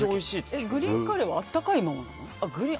グリーンカレーは温かいままなの？